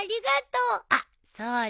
あっそうだ